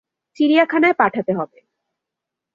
চিড়িয়াখানায় পাঠাতে হবে।